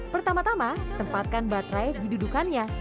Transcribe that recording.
pertama tama tempatkan baterai di dudukannya